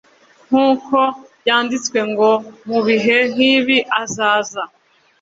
nkuko byanditswe ngo mubihe nkibi azaza